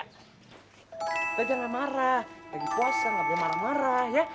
kita jangan marah lagi puasa gak boleh marah marah ya